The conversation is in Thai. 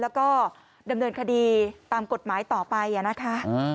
แล้วก็ดำเนินคดีตามกฎหมายต่อไปนะคะ